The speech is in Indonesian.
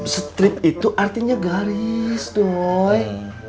strip itu artinya garis toy